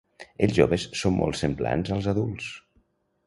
Els joves són molt semblants als adults.